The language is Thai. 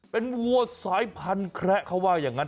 เป็นวัวสายพันธุ์แคระเขาว่าอย่างนั้น